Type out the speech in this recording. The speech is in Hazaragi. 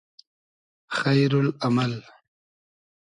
خݷرو ل امئل